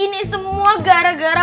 ini semua gara gara